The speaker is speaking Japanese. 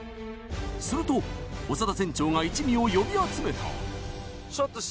すると長田船長が一味を呼び集めた。